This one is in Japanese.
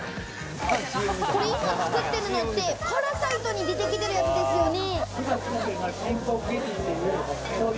今作ってるのって『パラサイト』に出てきてるやつですよね？